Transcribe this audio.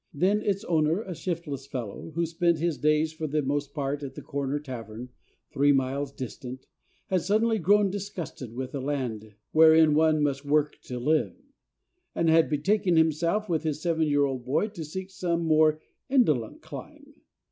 Then its owner, a shiftless fellow, who spent his days for the most part at the corner tavern three miles distant, had suddenly grown disgusted with a land wherein one must work to live, and had betaken himself with his seven year old boy to seek some more indolent clime.